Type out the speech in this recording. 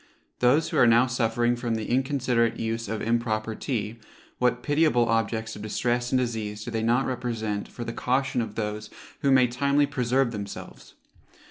Those who are now suffering from the inconsiderate use of improper tea, what pitiable objects of distress and disease do they not represent for the caution of those who may timely preserve themselves?